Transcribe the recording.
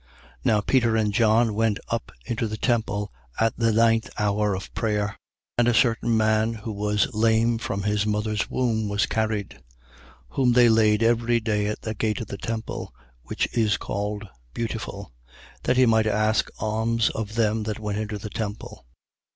3:1. Now Peter and John went up into the temple at the ninth hour of prayer. 3:2. And a certain man who was lame from his mother's womb was carried: whom they laid every day at the gate of the temple, which is called Beautiful, that he might ask alms of them that went into the temple.